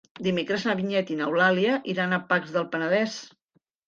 Dimecres na Vinyet i n'Eulàlia iran a Pacs del Penedès.